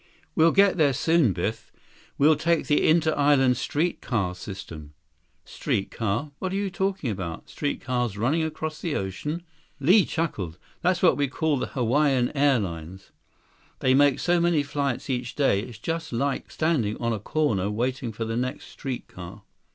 66 "We'll get there soon, Biff. We'll take the Inter Island Street Car System." "Street car! What are you talking about? Street cars running across the ocean!" Li chuckled. "That's what we call the Hawaiian Airlines. They make so many flights each day, it's just like standing on a corner waiting for the next street car."